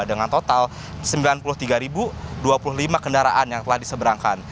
dengan total sembilan puluh tiga dua puluh lima kendaraan yang telah diseberangkan